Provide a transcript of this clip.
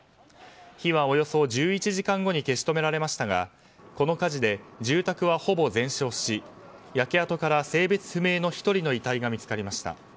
火はおよそ１１時間後に消し止められましたがこの火事で住宅は、ほぼ全焼し焼け跡から性別不明の１人の遺体が見つかりました。